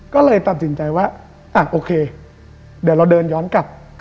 ก็เลยตัดสินใจว่าอ่ะโอเคเดี๋ยวเราเดินย้อนกลับ